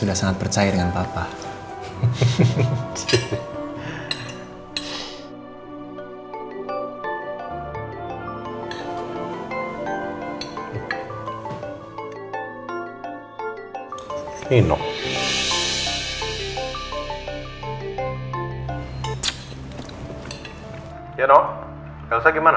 untuk mantau perkembangannya seperti apa